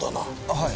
はい。